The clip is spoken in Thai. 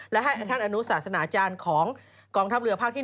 และให้ท่านอนุศาสนาจารย์ของกองทัพเรือภาคที่๑